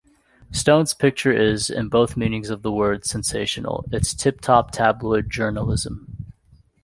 Stone's picture is, in both meanings of the word, sensational: it's tip-top tabloid journalism.